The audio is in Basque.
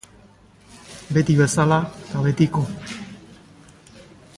Beti bezala eta betiko.